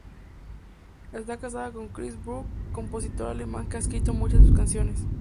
Está casada con Christian Bruhn, compositor alemán que ha escrito muchas de sus canciones.